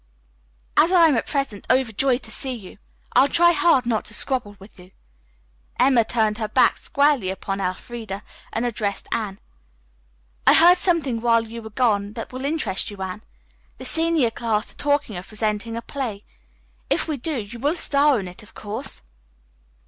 "As I am at present overjoyed to see you, I'll try hard not to squabble with you." Emma turned her back squarely upon Elfreda and addressed Anne. "I heard something while you were gone that will interest you, Anne. The senior class are talking of presenting a play. If we do, you will star in it, of course."